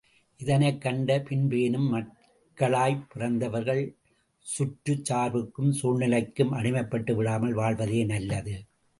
இதனைக் கண்ட பின்பேனும், மக்களாய்ப் பிறந்தவர்கள் சுற்றுச்சார்புக்கும் சூழ்நிலைக்கும் அடிமைப்பட்டு விடாமல் வாழ்வதே நல்லது.